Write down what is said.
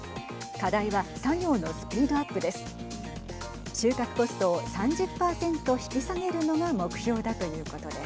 課題は作業のスピードアップです。